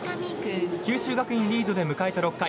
九州学院リードで迎えた６回。